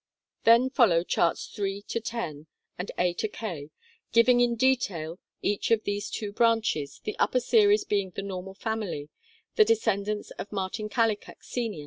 Then follow Charts III to IX and A to K, giving in detail each of these two branches, the upper series being the normal family, the descendants of Martin Kallikak Sr.